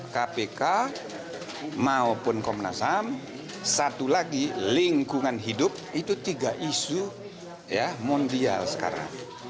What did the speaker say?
kpk maupun komnas ham satu lagi lingkungan hidup itu tiga isu mondial sekarang